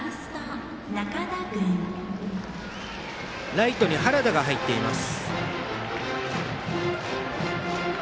ライトに原田が入っています。